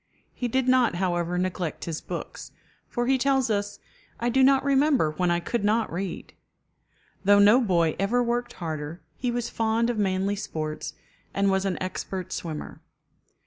He did not, however, neglect his books, for he tells us, "I do not remember when I could not read." Though no boy ever worked harder, he was fond of manly sports, and was an expert swimmer.